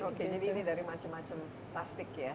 oke jadi ini dari macam macam plastik ya